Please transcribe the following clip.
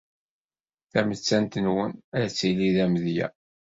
Tamettant-nwen ad tili d amedya.